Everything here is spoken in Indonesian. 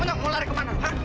wonyong mau lari ke mana lu hah